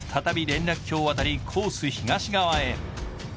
再び連絡橋を渡り、コース東側へ。